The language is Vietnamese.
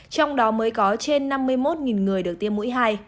trong đó mới có trên năm mươi một người được tiêm mũi hai